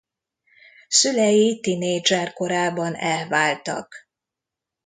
Szülei tinédzser korában elváltak.